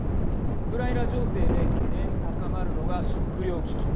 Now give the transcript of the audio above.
ウクライナ情勢で懸念高まるのが食料危機。